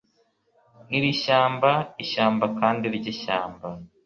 iri shyamba ishyamba kandi ryishyamba